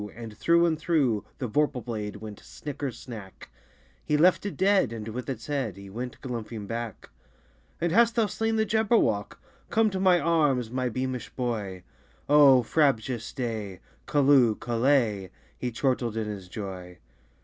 And through and through The vorpal blade went snicker snack! He left it dead, and with its head He went galumphing back. "And hast thou slain the Jabberwock? Come to my arms, my beamish boy! O frabjous day! Callooh! Callay!" He chortled in his joy.